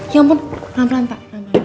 ya ampun pelan pelan pak